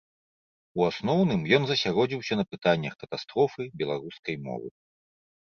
У асноўным ён засяродзіўся на пытаннях катастрофы беларускай мовы.